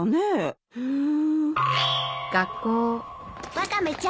ワカメちゃん